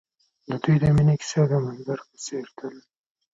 د دوی د مینې کیسه د منظر په څېر تلله.